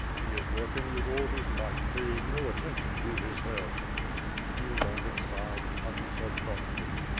He is working with all his might, paying no attention to his health." Here, Longin sighed and hung his head thoughtfully.